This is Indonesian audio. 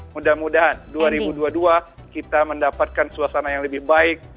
mudah mudahan dua ribu dua puluh dua kita mendapatkan suasana yang lebih baik